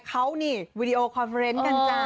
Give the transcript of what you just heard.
เขานี่วีดีโอคอนเฟรนต์กันจ้า